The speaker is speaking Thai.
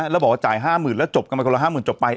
แล้วบอกว่าจ่าย๕๐๐๐แล้วจบกันไปคนละ๕๐๐๐จบไป